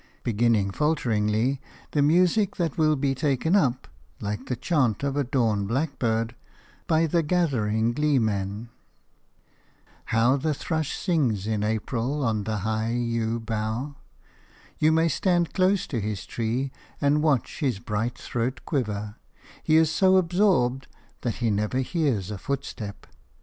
beginning falteringly the music that will be taken up – like the chant of a dawn blackbird – by the gathering gleemen. How the thrush sings in April on the high yew bough! You may stand close to his tree and watch his bright throat quiver; he is so absorbed that he never hears a footstep.